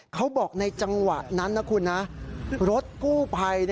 เขาบอกในจังหวะนั้นนะคุณนะรถกู้ภัย